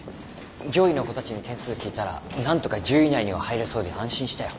上位の子たちに点数聞いたら何とか１０位内には入れそうで安心したよ。